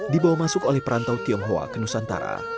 dibawa masuk oleh perantau tionghoa ke nusantara